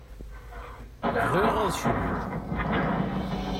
Bɣiɣ ad cnuɣ.